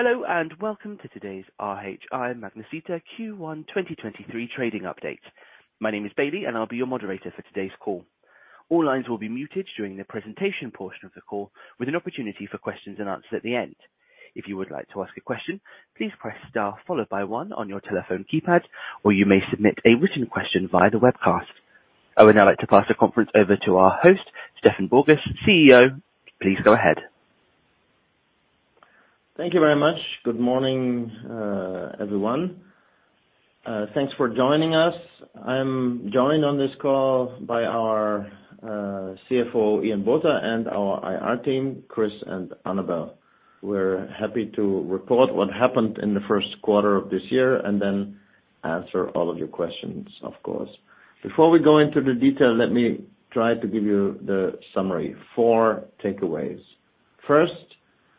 Hello, and welcome to today's RHI Magnesita Q1 2023 trading update. My name is Bailey, and I'll be your moderator for today's call. All lines will be muted during the presentation portion of the call with an opportunity for questions-and-answers at the end. If you would like to ask a question, please press star followed by one on your telephone keypad, or you may submit a written question via the webcast. I would now like to pass the conference over to our host, Stefan Borgas, CEO. Please go ahead. Thank you very much. Good morning, everyone. Thanks for joining us. I'm joined on this call by our CFO, Ian Botha, and our IR team, Chris and Annabel. We're happy to report what happened in the first quarter of this year and then answer all of your questions, of course. Before we go into the detail, let me try to give you the summary. Four takeaways. First,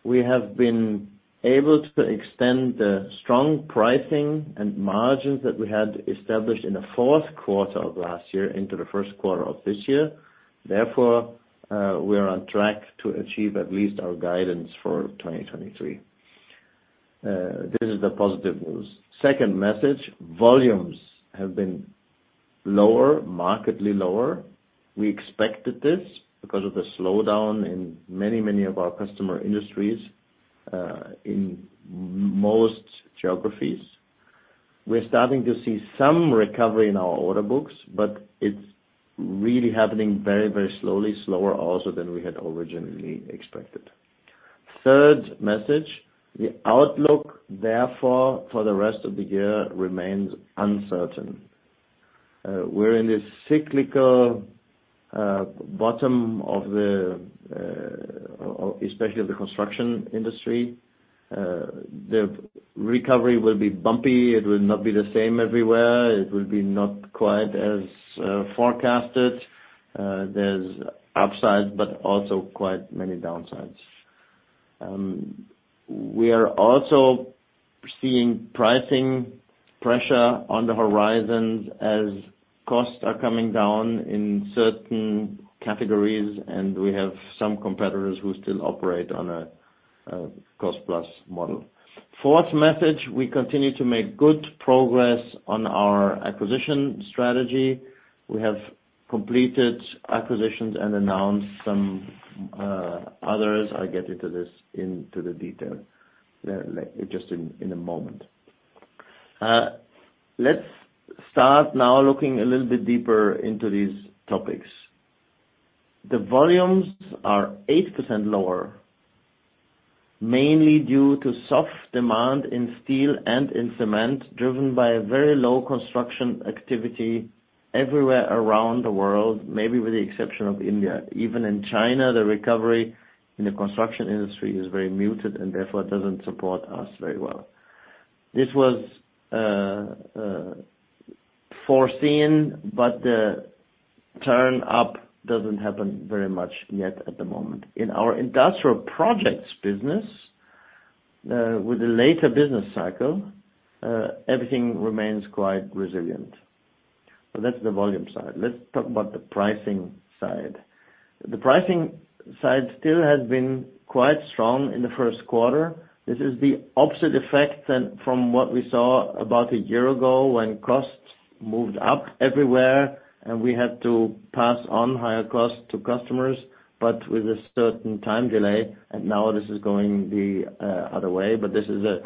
we have been able to extend the strong pricing and margins that we had established in the fourth quarter of last year into the first quarter of this year. Therefore, we are on track to achieve at least our guidance for 2023. This is the positive news. Second message, volumes have been lower, markedly lower. We expected this because of the slowdown in many, many of our customer industries in most geographies. We're starting to see some recovery in our order books, but it's really happening very, very slowly, slower also than we had originally expected. Third message, the outlook, therefore for the rest of the year remains uncertain. We're in this cyclical bottom of the especially the construction industry. The recovery will be bumpy. It will not be the same everywhere. It will be not quite as forecasted. There's upsides, but also quite many downsides. We are also seeing pricing pressure on the horizons as costs are coming down in certain categories, and we have some competitors who still operate on a cost-plus model. Fourth message, we continue to make good progress on our acquisition strategy. We have completed acquisitions and announced some others. I'll get into this, into the detail just in a moment. Let's start now looking a little bit deeper into these topics. The volumes are 8% lower, mainly due to soft demand in steel and in cement, driven by a very low construction activity everywhere around the world, maybe with the exception of India. Even in China, the recovery in the construction industry is very muted and therefore doesn't support us very well. This was foreseen, but the turn up doesn't happen very much yet at the moment. In our industrial projects business, with a later business cycle, everything remains quite resilient. That's the volume side. Let's talk about the pricing side. The pricing side still has been quite strong in the 1st quarter. This is the opposite effect than from what we saw about a year ago when costs moved up everywhere and we had to pass on higher costs to customers, but with a certain time delay, and now this is going the other way. This is a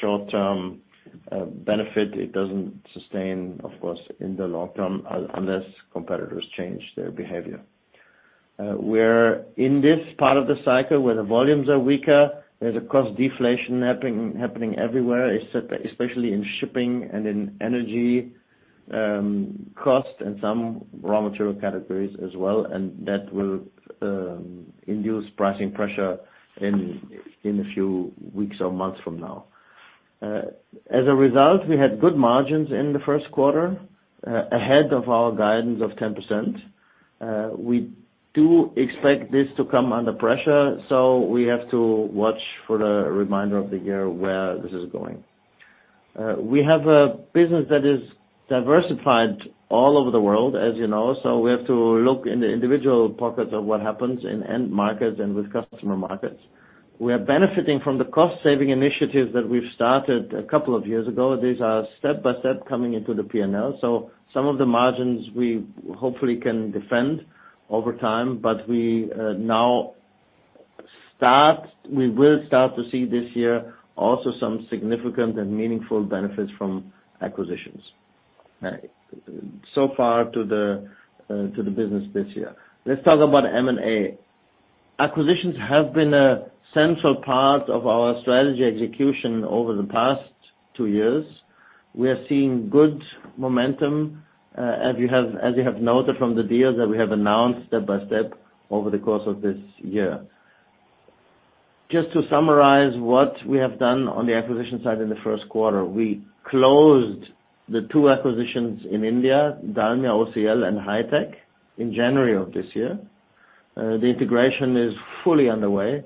short-term benefit. It doesn't sustain, of course, in the long term unless competitors change their behavior. We're in this part of the cycle where the volumes are weaker. There's a cost deflation happening everywhere, especially in shipping and in energy costs and some raw material categories as well, and that will induce pricing pressure in a few weeks or months from now. As a result, we had good margins in the first quarter, ahead of our guidance of 10%. We do expect this to come under pressure, so we have to watch for the remainder of the year where this is going. We have a business that is diversified all over the world, as you know, so we have to look in the individual pockets of what happens in end markets and with customer markets. We are benefiting from the cost-saving initiatives that we've started a couple of years ago. These are step-by-step coming into the P&L. Some of the margins we hopefully can defend over time, but we will start to see this year also some significant and meaningful benefits from acquisitions. So far to the business this year. Let's talk about M&A. Acquisitions have been a central part of our strategy execution over the past two years. We are seeing good momentum, as you have noted from the deals that we have announced step by step over the course of this year. Just to summarize what we have done on the acquisition side in the first quarter, we closed the two acquisitions in India, Dalmia OCL and Hi-Tech, in January of this year. The integration is fully underway.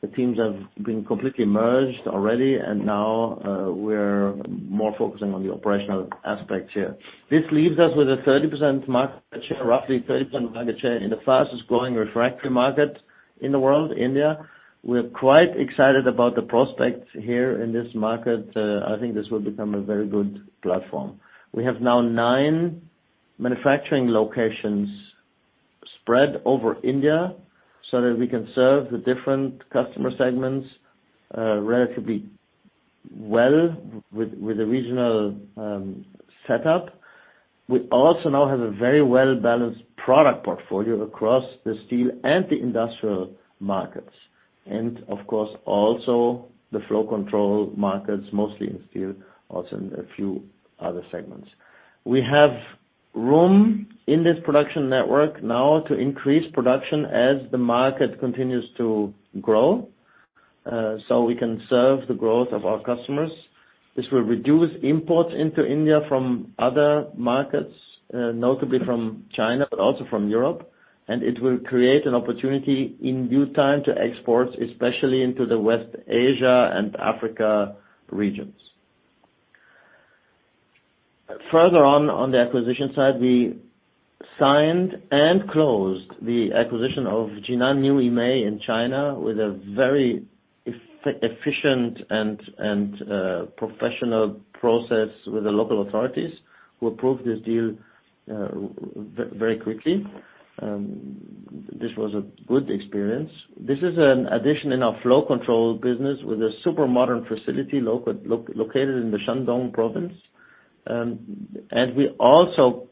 The teams have been completely merged already, and now, we're more focusing on the operational aspects here. This leaves us with a 30% market share, roughly 30% market share in the fastest-growing refractory market. In the world, India, we're quite excited about the prospects here in this market. I think this will become a very good platform. We have now nine manufacturing locations spread over India so that we can serve the different customer segments, relatively well with the regional setup. We also now have a very well-balanced product portfolio across the steel and the industrial markets and of course, also the flow control markets, mostly in steel, also in a few other segments. We have room in this production network now to increase production as the market continues to grow, so we can serve the growth of our customers. This will reduce imports into India from other markets, notably from China, but also from Europe. It will create an opportunity in due time to export, especially into the West Asia and Africa regions. Further on the acquisition side, we signed and closed the acquisition of Jinan New Emei in China with a very efficient and professional process with the local authorities who approved this deal very quickly. This was a good experience. This is an addition in our flow control business with a super modern facility located in the Shandong province. We also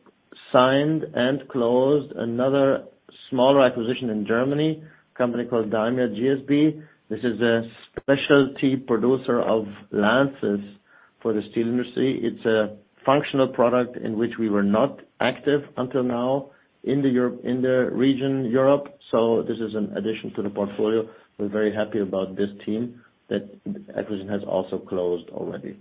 signed and closed another smaller acquisition in Germany, a company called Dalmia GSB. This is a specialty producer of lances for the steel industry. It's a functional product in which we were not active until now in the region Europe, so this is an addition to the portfolio. We're very happy about this team. That acquisition has also closed already.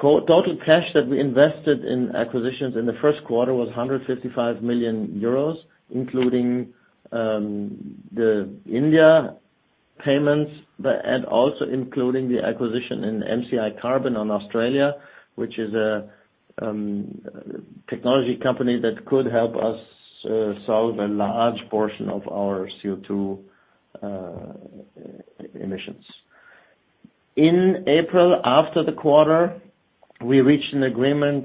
Total cash that we invested in acquisitions in the first quarter was 155 million euros, including the India payments, and also including the acquisition in MCi Carbon in Australia, which is a technology company that could help us solve a large portion of our CO2 emissions. In April, after the quarter, we reached an agreement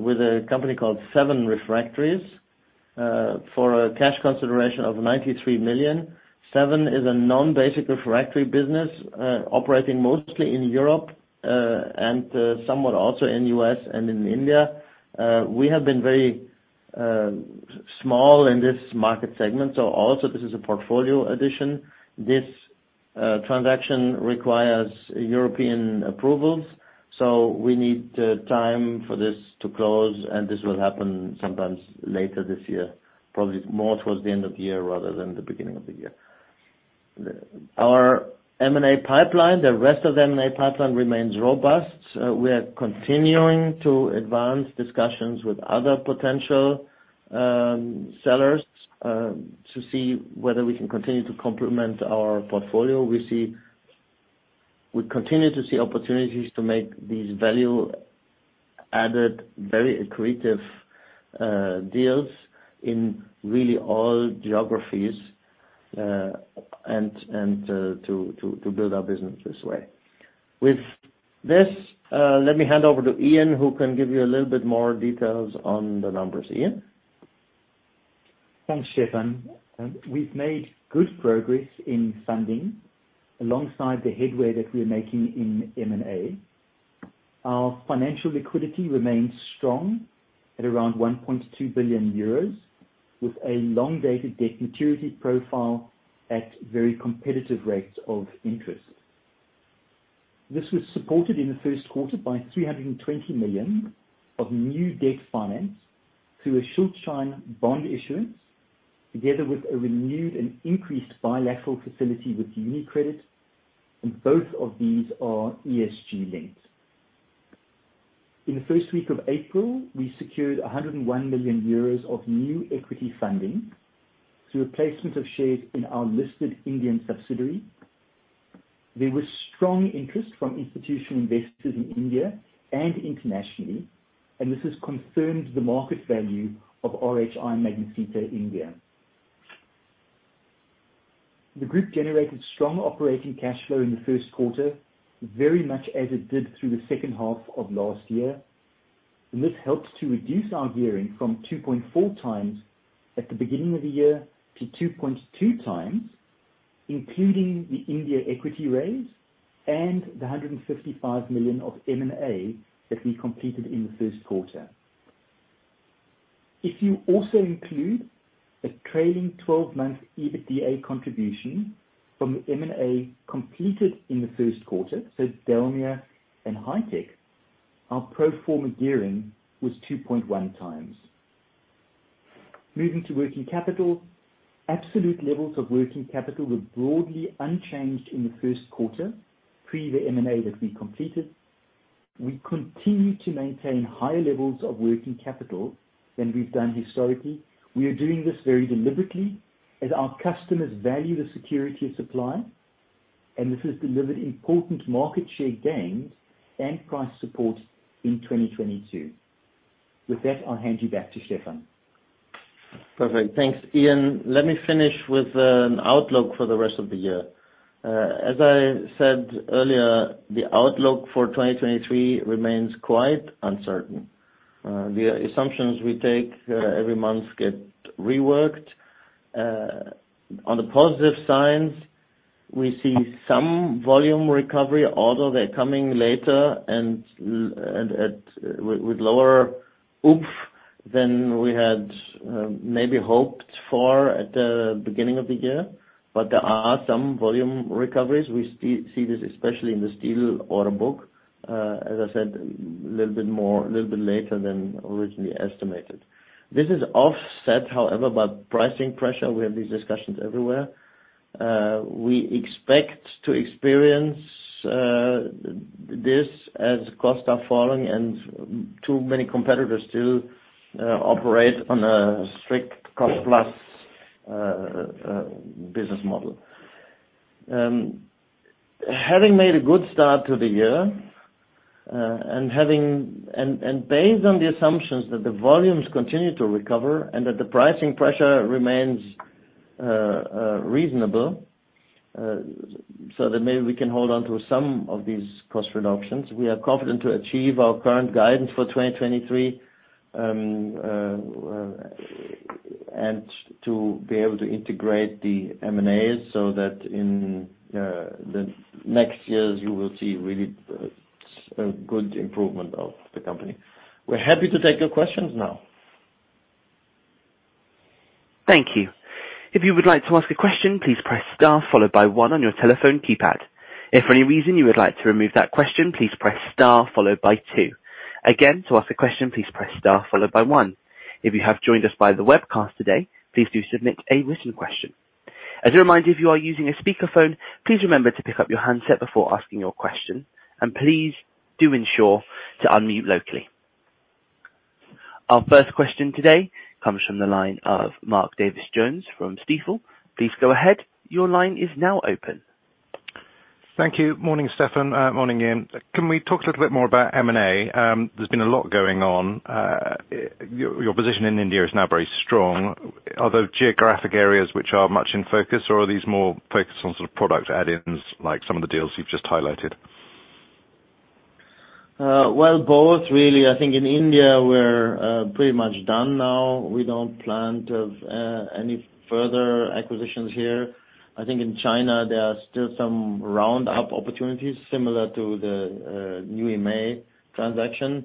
with a company called Seven Refractories for a cash consideration of 93 million. Seven is a non-basic refractory business, operating mostly in Europe, and somewhat also in U.S. and in India. We have been very small in this market segment, so also this is a portfolio addition. This transaction requires European approvals, so we need time for this to close, and this will happen sometimes later this year, probably more towards the end of the year rather than the beginning of the year. Our M&A pipeline, the rest of the M&A pipeline remains robust. We are continuing to advance discussions with other potential sellers, to see whether we can continue to complement our portfolio. We continue to see opportunities to make these value added, very accretive deals in really all geographies, and to build our business this way. With this, let me hand over to Ian, who can give you a little bit more details on the numbers. Ian? Thanks, Stefan. We've made good progress in funding alongside the headway that we're making in M&A. Our financial liquidity remains strong at around 1.2 billion euros with a long-dated debt maturity profile at very competitive rates of interest. This was supported in the first quarter by 320 million of new debt finance through a Schuldschein bond issuance, together with a renewed and increased bilateral facility with UniCredit. Both of these are ESG linked. In the first week of April, we secured 101 million euros of new equity funding through a placement of shares in our listed Indian subsidiary. There was strong interest from institutional investors in India and internationally. This has confirmed the market value of RHI Magnesita India. The group generated strong operating cash flow in the first quarter, very much as it did through the second half of last year. This helps to reduce our gearing from 2.4x at the beginning of the year to 2.2x, including the India equity raise and the 155 million of M&A that we completed in the first quarter. If you also include a trailing twelve-month EBITDA contribution from the M&A completed in the first quarter, so Dalmia and Hi-Tech, our pro forma gearing was 2.1 times. Moving to working capital. Absolute levels of working capital were broadly unchanged in the first quarter, pre the M&A that we completed. We continue to maintain higher levels of working capital than we've done historically. We are doing this very deliberately as our customers value the security of supply. This has delivered important market share gains and price support in 2022. With that, I'll hand you back to Stefan. Perfect. Thanks, Ian. Let me finish with an outlook for the rest of the year. As I said earlier, the outlook for 2023 remains quite uncertain. The assumptions we take every month get reworked. On the positive signs, we see some volume recovery, although they're coming later and with lower oomph than we had maybe hoped for at the beginning of the year. There are some volume recoveries. We see this especially in the steel order book, as I said, little bit more, little bit later than originally estimated. This is offset, however, by pricing pressure. We have these discussions everywhere. We expect to experience this as costs are falling and too many competitors still operate on a strict cost-plus business model. Having made a good start to the year, and based on the assumptions that the volumes continue to recover and that the pricing pressure remains reasonable, so that maybe we can hold on to some of these cost reductions, we are confident to achieve our current guidance for 2023, and to be able to integrate the M&As so that in the next years you will see really a good improvement of the company. We're happy to take your questions now. Thank you. If you would like to ask a question, please press star followed by one on your telephone keypad. If for any reason you would like to remove that question, please press star followed by two. Again, to ask a question, please press star followed by one. If you have joined us by the webcast today, please do submit a written question. As a reminder, if you are using a speakerphone, please remember to pick up your handset before asking your question, and please do ensure to unmute locally. Our first question today comes from the line of Mark Davies-Jones from Stifel. Please go ahead. Your line is now open. Thank you. Morning, Stefan. Morning, Ian. Can we talk a little bit more about M&A? There's been a lot going on. Your position in India is now very strong. Are there geographic areas which are much in focus, or are these more focused on sort of product add-ins like some of the deals you've just highlighted? Well, both really. I think in India, we're pretty much done now. We don't plan to have any further acquisitions here. I think in China there are still some round-up opportunities similar to the New Emei transaction.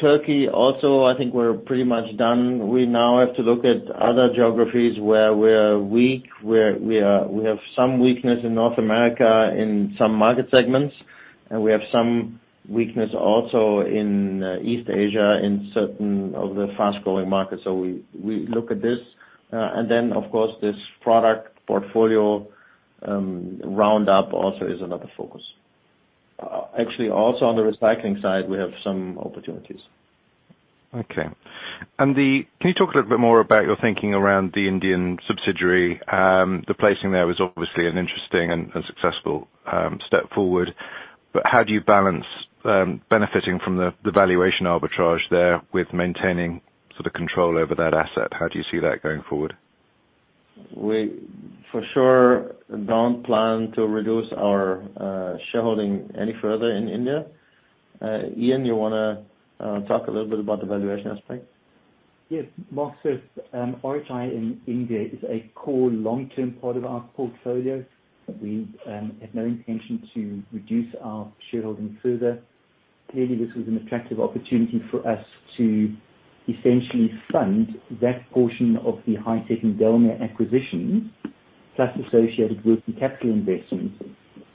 Turkey also, I think we're pretty much done. We now have to look at other geographies where we're weak, where we have some weakness in North America in some market segments, and we have some weakness also in East Asia in certain of the fast-growing markets. We look at this, and then, of course, this product portfolio, round up also is another focus. Actually, also on the recycling side, we have some opportunities. Can you talk a little bit more about your thinking around the Indian subsidiary? The placing there was obviously an interesting and successful step forward. How do you balance benefiting from the valuation arbitrage there with maintaining sort of control over that asset? How do you see that going forward? We for sure don't plan to reduce our shareholding any further in India. Ian, you wanna talk a little bit about the valuation aspect? Mark, RHI in India is a core long-term part of our portfolio. We have no intention to reduce our shareholding further. Clearly, this was an attractive opportunity for us to essentially fund that portion of the Hi-Tech Chemicals and Dalmia acquisition, plus associated working capital investments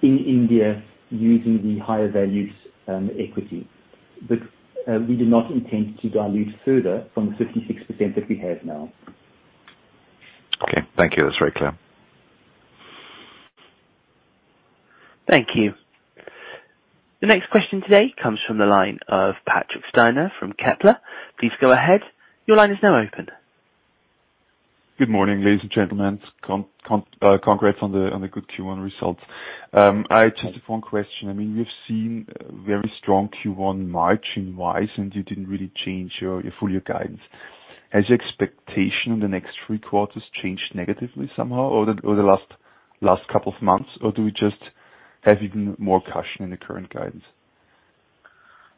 in India using the higher values, equity. We do not intend to dilute further from the 56% that we have now. Okay. Thank you. That's very clear. Thank you. The next question today comes from the line of Patrick Steiner from Kepler. Please go ahead. Your line is now open. Good morning, ladies and gentlemen. Congrats on the good Q1 results. I just have one question. I mean, we've seen very strong Q1 margin wise, and you didn't really change your full year guidance. Has your expectation in the next three quarters changed negatively somehow or the last couple of months, or do we just have even more caution in the current guidance?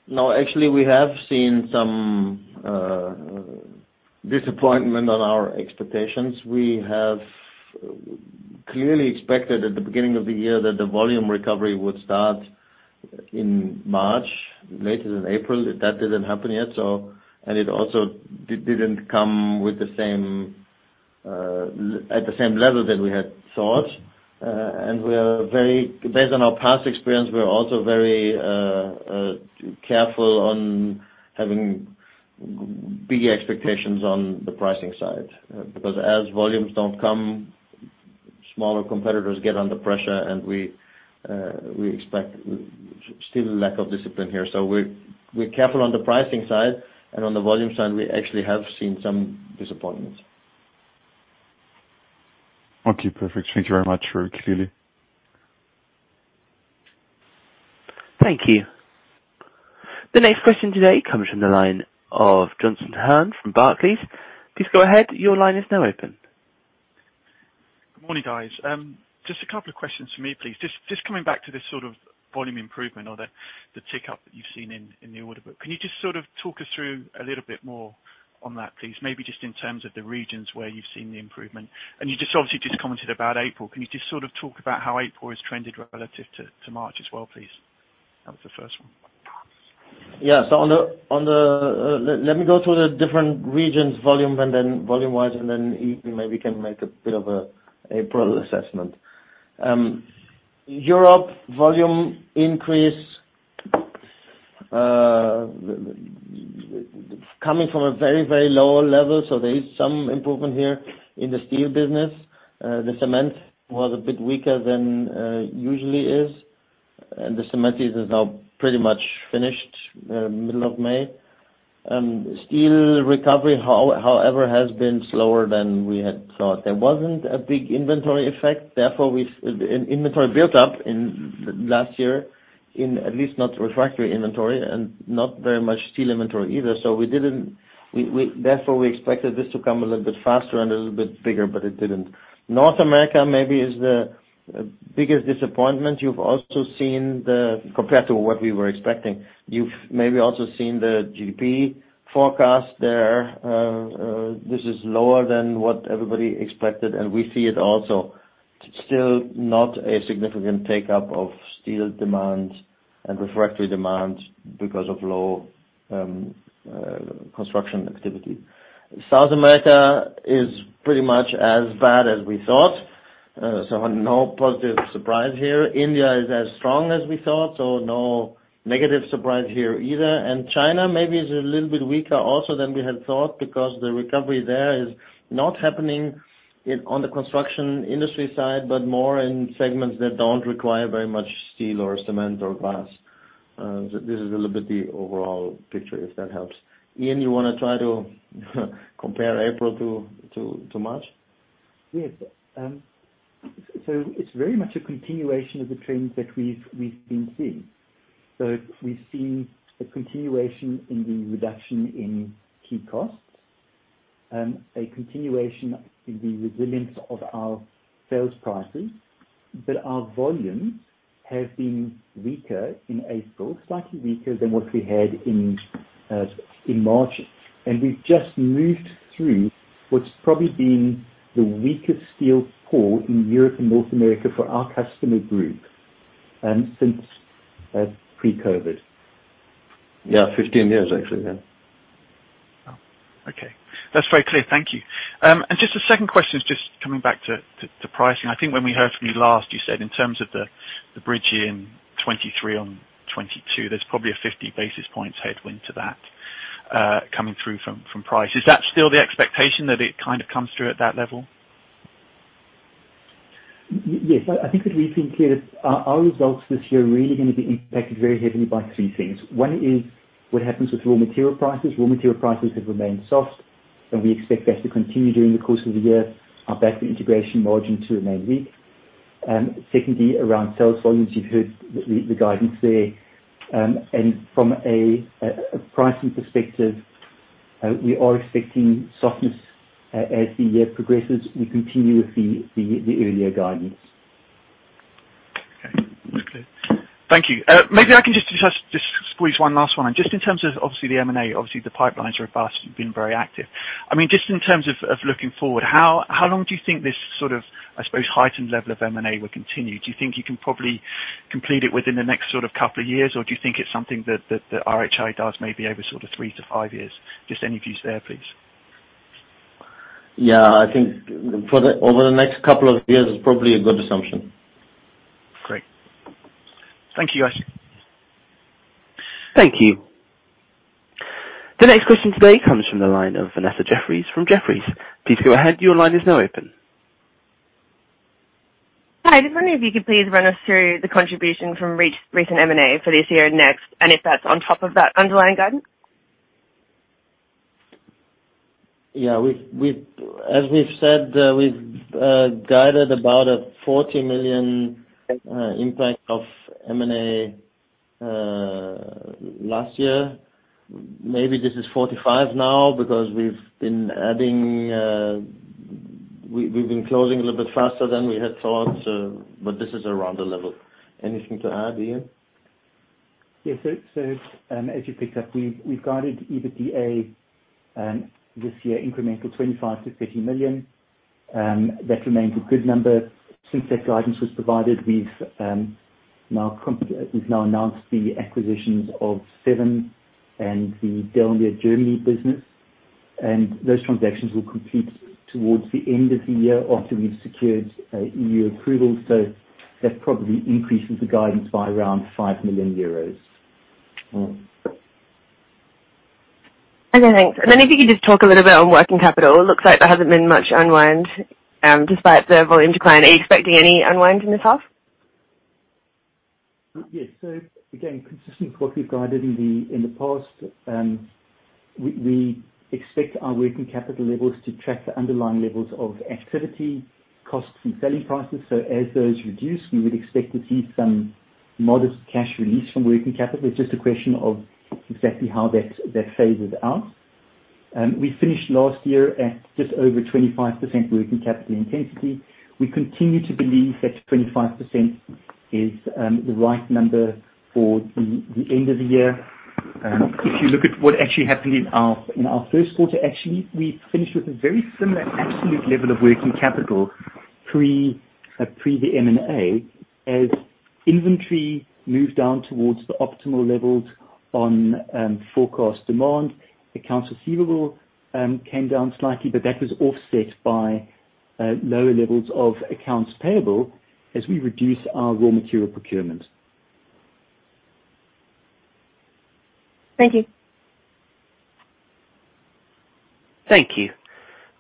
No, actually we have seen some disappointment on our expectations. We have clearly expected at the beginning of the year that the volume recovery would start in March, later than April. That didn't happen yet. It also didn't come at the same level that we had thought. Based on our past experience, we're also very careful on having big expectations on the pricing side. Because as volumes don't come, smaller competitors get under pressure and we expect still lack of discipline here. We're careful on the pricing side, and on the volume side, we actually have seen some disappointments. Okay, perfect. Thank you very much. Very clearly. Thank you. The next question today comes from the line of Jonathan Hurn from Barclays. Please go ahead. Your line is now open. Good morning, guys. Just a couple of questions for me please. Just coming back to this sort of volume improvement or the tick up that you've seen in the order book. Can you just sort of talk us through a little bit more on that please? Maybe just in terms of the regions where you've seen the improvement. You obviously just commented about April. Can you just sort of talk about how April has trended relative to March as well, please? That was the first one. Yeah. On the... let me go through the different regions volume and then volume wise, and then Ian maybe can make a bit of a April assessment. Europe volume increase, coming from a very, very low level, so there is some improvement here in the steel business. The cement was a bit weaker than usually is, and the cement is now pretty much finished, middle of May. Steel recovery however, has been slower than we had thought. There wasn't a big inventory effect, therefore inventory built up last year in at least not refractory inventory and not very much steel inventory either. We didn't therefore, we expected this to come a little bit faster and a little bit bigger, but it didn't. North America, maybe is the biggest disappointment. You've also seen compared to what we were expecting. You've maybe also seen the GDP forecast there. This is lower than what everybody expected, we see it also. Still not a significant take up of steel demand and refractory demand because of low construction activity. South America is pretty much as bad as we thought, no positive surprise here. India is as strong as we thought, no negative surprise here either. China maybe is a little bit weaker also than we had thought because the recovery there is not happening on the construction industry side, but more in segments that don't require very much steel or cement or glass. This is a little the overall picture, if that helps. Ian, you wanna try to compare April to March? Yes. It's very much a continuation of the trends that we've been seeing. We've seen a continuation in the reduction in key costs, a continuation in the resilience of our sales prices. Our volumes have been weaker in April, slightly weaker than what we had in March. We've just moved through what's probably been the weakest steel pool in Europe and North America for our customer group, since pre-COVID. Yeah, 15 years actually, yeah. Oh, okay. That's very clear. Thank you. Just a second question is just coming back to pricing. I think when we heard from you last, you said in terms of the bridge in 2023 on 2022, there's probably a 50 basis points headwind to that coming through from price. Is that still the expectation that it kind of comes through at that level? Yes. I think that we've been clear that our results this year are really gonna be impacted very heavily by three things. One is what happens with raw material prices. Raw material prices have remained soft, and we expect that to continue during the course of the year. Our backward integration margin to remain weak. Secondly, around sales volumes, you've heard the guidance there. From a pricing perspective, we are expecting softness as the year progresses, we continue with the earlier guidance. Okay. That's clear. Thank you. maybe I can just squeeze one last one in. Just in terms of obviously the M&A, obviously the pipelines are fast, you've been very active. I mean, just in terms of looking forward, how long do you think this sort of, I suppose, heightened level of M&A will continue? Do you think you can probably complete it within the next sort of two years, or do you think it's something that RHI does maybe over sort of three to five years? Just any views there, please. Yeah. I think over the next couple of years is probably a good assumption. Great. Thank you, guys. Thank you. The next question today comes from the line of Vanessa Jeffries from Jefferies. Please go ahead. Your line is now open. Hi, just wondering if you could please run us through the contribution from recent M&A for this year and next, and if that's on top of that underlying guidance? Yeah, we've, as we've said, we've guided about a 40 million impact of M&A last year. Maybe this is 45 now because we've been adding. We've been closing a little bit faster than we had thought, but this is around the level. Anything to add, Ian? Yes. As you picked up, we've guided EBITDA this year incremental 25 million-30 million. That remains a good number. Since that guidance was provided, we've now announced the acquisitions of Seven Refractories and the Dalmia Germany business, those transactions will complete towards the end of the year after we've secured EU approval. That probably increases the guidance by around 5 million euros. Okay, thanks. If you could just talk a little bit on working capital. It looks like there hasn't been much unwind despite the volume decline. Are you expecting any unwind in this half? Yes. Again, consistent with what we've guided in the past, we expect our working capital levels to track the underlying levels of activity costs and selling prices. As those reduce, we would expect to see some modest cash release from working capital. It's just a question of exactly how that phases out. We finished last year at just over 25% working capital intensity. We continue to believe that 25% is the right number for the end of the year. If you look at what actually happened in our first quarter, actually, we finished with a very similar absolute level of working capital pre the M&A. As inventory moved down towards the optimal levels on forecast demand, accounts receivable came down slightly, but that was offset by lower levels of accounts payable as we reduce our raw material procurement. Thank you. Thank you.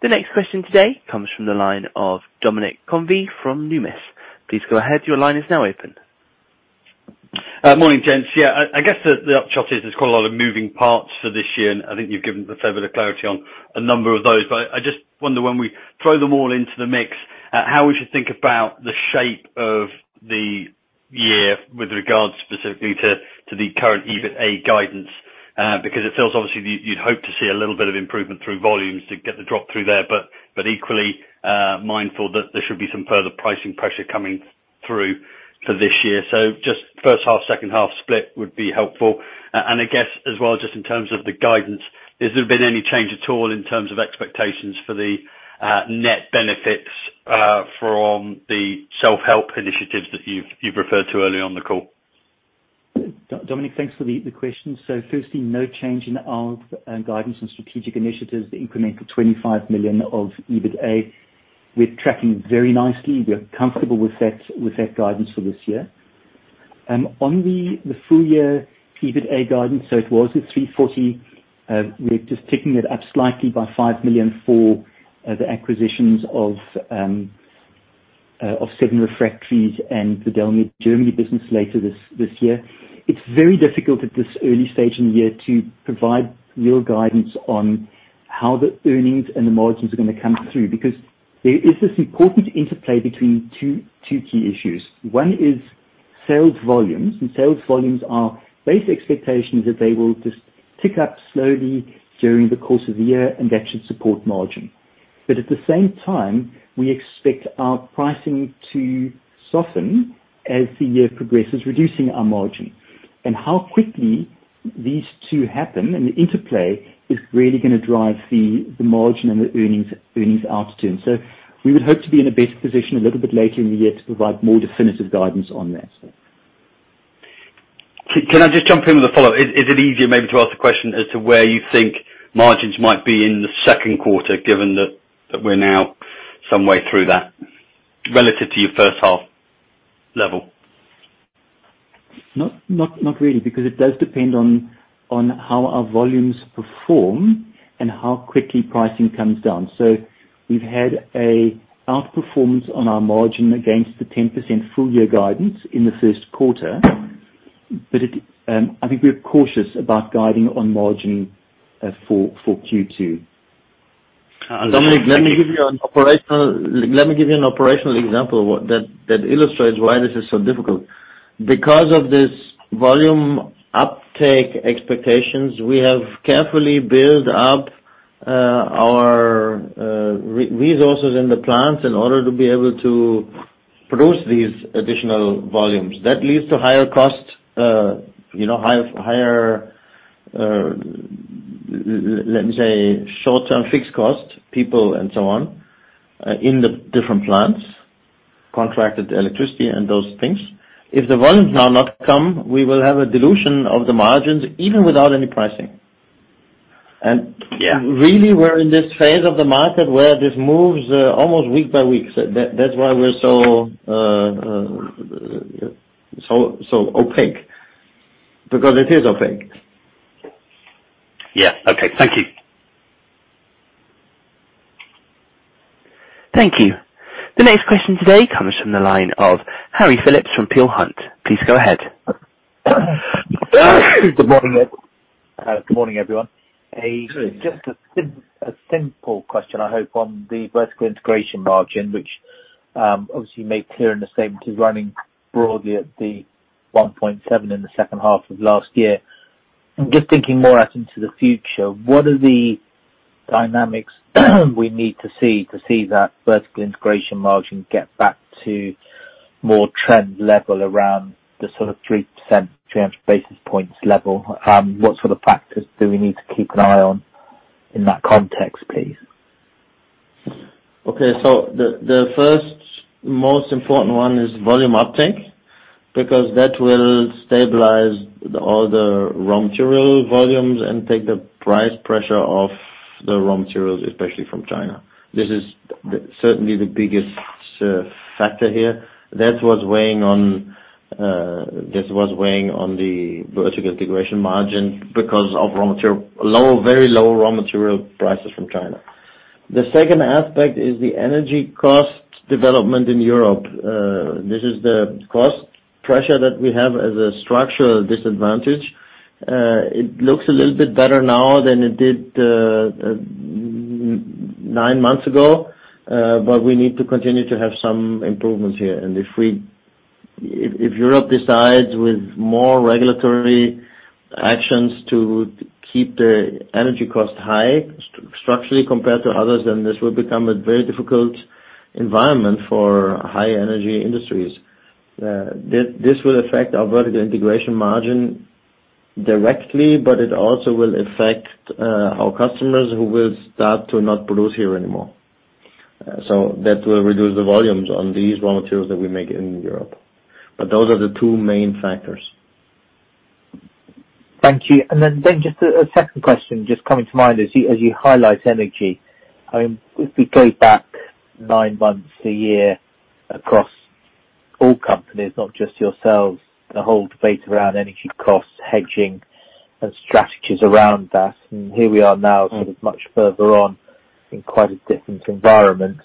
The next question today comes from the line of Dominic O'Kane from Numis. Please go ahead. Your line is now open. Morning, gents. I guess the upshot is there's quite a lot of moving parts for this year, and I think you've given us a bit of clarity on a number of those. I just wonder when we throw them all into the mix, how we should think about the shape of the year with regards specifically to the current EBITA guidance. It feels obviously you'd hope to see a little bit of improvement through volumes to get the drop through there, but equally, mindful that there should be some further pricing pressure coming through for this year. Just first half, second half split would be helpful. I guess as well, just in terms of the guidance, has there been any change at all in terms of expectations for the net benefits from the self-help initiatives that you've referred to earlier on the call? Dominic, thanks for the question. Firstly, no change in our guidance and strategic initiatives, the incremental 25 million of EBITA. We're tracking very nicely. We're comfortable with that guidance for this year. On the full year EBITA guidance, it was at 340. We're just ticking it up slightly by 5 million for the acquisitions of Seven Refractories and the Dalmia Germany business later this year. It's very difficult at this early stage in the year to provide real guidance on how the earnings and the margins are gonna come through, because there is this important interplay between two key issues. One is sales volumes, sales volumes are base expectations that they will just tick up slowly during the course of the year and that should support margin. At the same time, we expect our pricing to soften as the year progresses, reducing our margin. How quickly these two happen and the interplay is really gonna drive the margin and the earnings out turn. We would hope to be in a better position a little bit later in the year to provide more definitive guidance on that, so. Can I just jump in with a follow-up? Is it easier maybe to ask the question as to where you think margins might be in the second quarter, given that we're now some way through that, relative to your first half level? Not really because it does depend on how our volumes perform and how quickly pricing comes down. We've had a outperformance on our margin against the 10% full year guidance in the first quarter. I think we're cautious about guiding on margin for Q2. Understood. Thank you. Dominic, let me give you an operational example of what that illustrates why this is so difficult. Because of this volume uptake expectations, we have carefully built up our resources in the plants in order to be able to produce these additional volumes. That leads to higher costs, you know, higher let me say short-term fixed costs, people and so on, in the different plants, contracted electricity and those things. If the volumes now not come, we will have a dilution of the margins even without any pricing. Yeah. Really we're in this phase of the market where this moves, almost week by week. That's why we're so opaque because it is opaque. Yeah. Okay. Thank you. Thank you. The next question today comes from the line of Harry Philips from Peel Hunt. Please go ahead. Good morning, everyone. Good. Just a simple question I hope on the vertical integration margin, which obviously you made clear in the statement is running broadly at 1.7 in the second half of last year. I'm just thinking more out into the future, what are the dynamics we need to see to see that vertical integration margin get back to more trend level around the sort of 3%, 300 basis points level? What sort of factors do we need to keep an eye on in that context, please? The, the first most important one is volume uptake, because that will stabilize all the raw material volumes and take the price pressure off the raw materials, especially from China. This is the, certainly the biggest factor here. That was weighing on, this was weighing on the vertical integration margin because of raw material, low, very low raw material prices from China. The second aspect is the energy cost development in Europe. This is the cost pressure that we have as a structural disadvantage. It looks a little bit better now than it did nine months ago, but we need to continue to have some improvements here. If Europe decides with more regulatory actions to keep the energy cost high structurally compared to others, then this will become a very difficult environment for high energy industries. This will affect our vertical integration margin directly, it also will affect our customers who will start to not produce here anymore. That will reduce the volumes on these raw materials that we make in Europe. Those are the two main factors. Thank you. Then just a second question just coming to mind as you highlight energy. I mean, if we go back 9 months, 1 year across all companies, not just yourselves, the whole debate around energy costs, hedging and strategies around that, and here we are now sort of much further on in quite a different environment.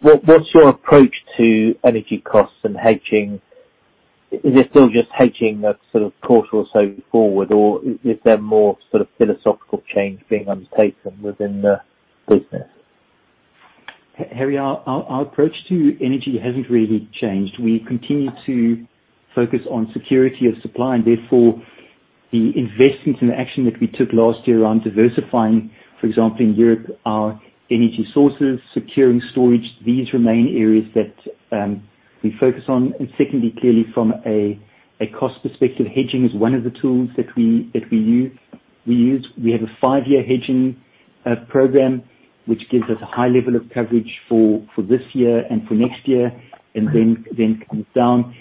What's your approach to energy costs and hedging? Is it still just hedging that sort of quarter or so forward, or is there more sort of philosophical change being undertaken within the business? Harry, our approach to energy hasn't really changed. We continue to focus on security of supply and therefore the investments and action that we took last year around diversifying, for example, in Europe, our energy sources, securing storage, these remain areas that we focus on. Secondly, clearly from a cost perspective, hedging is one of the tools that we use. We have a five-year hedging program, which gives us a high level of coverage for this year and for next year, and then comes down.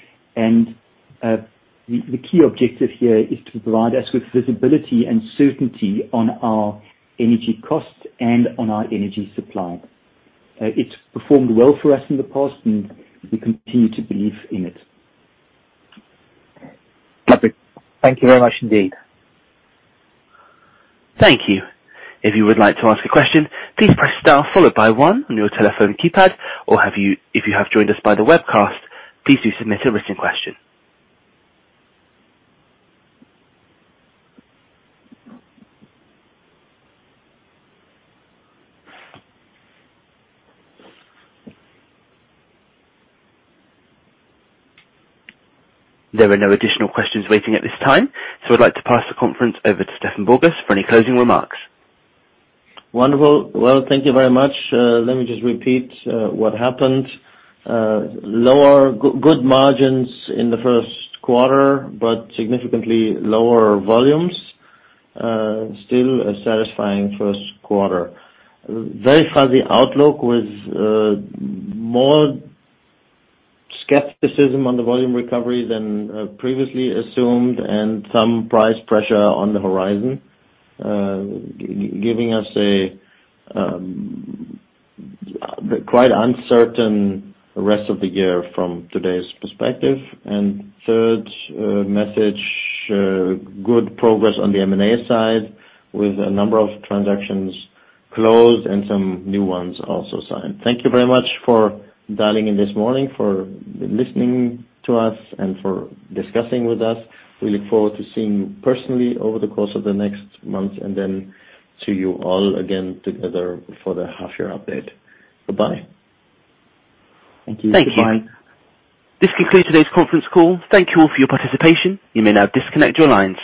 The key objective here is to provide us with visibility and certainty on our energy costs and on our energy supply. It's performed well for us in the past, and we continue to believe in it. Perfect. Thank you very much indeed. Thank you. If you would like to ask a question, please press star followed by one on your telephone keypad. If you have joined us by the webcast, please do submit a written question. There are no additional questions waiting at this time. I'd like to pass the conference over to Stefan Borgas for any closing remarks. Wonderful. Well, thank you very much. Let me just repeat what happened. Good margins in the first quarter, but significantly lower volumes. Still a satisfying first quarter. Very fuzzy outlook with more skepticism on the volume recovery than previously assumed, and some price pressure on the horizon. Giving us a quite uncertain rest of the year from today's perspective. Third message, good progress on the M&A side with a number of transactions closed and some new ones also signed. Thank you very much for dialing in this morning, for listening to us, and for discussing with us. We look forward to seeing you personally over the course of the next month, and then see you all again together for the half-year update. Bye-bye. Thank you. Bye. Thank you. This concludes today's conference call. Thank you all for your participation. You may now disconnect your lines.